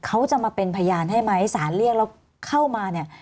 เขาจะมาเป็นพยานให้ไหมสารเรียกแล้วเข้ามาเนี่ย